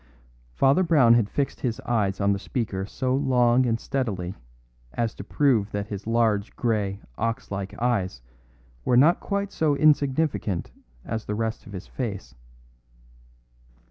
Father Brown had fixed his eyes on the speaker so long and steadily as to prove that his large grey, ox like eyes were not quite so insignificant as the rest of his face.